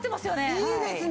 いいですね。